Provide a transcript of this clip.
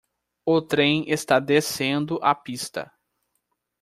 O trem está descendo a pista.